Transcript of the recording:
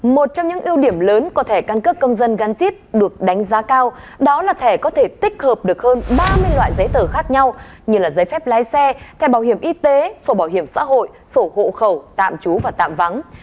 một trong những ưu điểm lớn của thẻ căn cước công dân gắn chip được đánh giá cao đó là thẻ có thể tích hợp được hơn ba mươi loại giấy tờ khác nhau như giấy phép lái xe thẻ bảo hiểm y tế sổ bảo hiểm xã hội sổ hộ khẩu tạm trú và tạm vắng